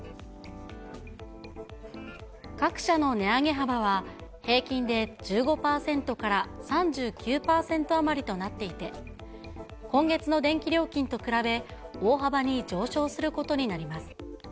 各社の値上げ幅は、平均で１５％から３９％余りとなっていて、今月の電気料金と比べ、大幅に上昇することになります。